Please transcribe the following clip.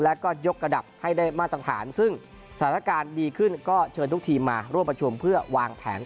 และก็ยกกระดับให้ได้มาตรฐาน